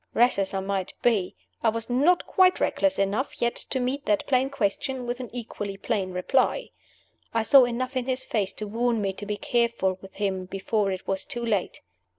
Rash as I might be, I was not quite reckless enough yet to meet that plain question by an equally plain reply. I saw enough in his face to warn me to be careful with him before it was too late.